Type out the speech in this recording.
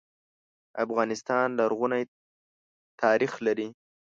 افغانستان لرغونی ناریخ لري.